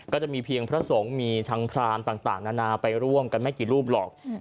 ก็จะมีเพียงพระสงฆ์มีทางพรามต่างนานาไปร่วมกันไม่กี่รูปหรอก